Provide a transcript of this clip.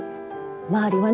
周りはね